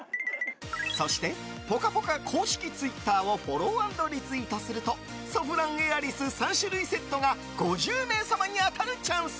そして「ぽかぽか」公式ツイッターをフォロー＆リツイートするとソフランエアリス３種類セットが５０名様に当たるチャンス！